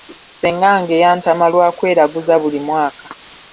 Ssengange yantama lwa kweraguzanga buli mwaka.